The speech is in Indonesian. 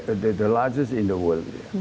itu terbesar di dunia